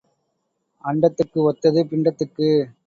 அண்டத்துக்கு ஒத்தது பிண்டத்துக்கு.